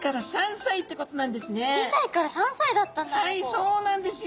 ２歳から３歳だったんだあの子。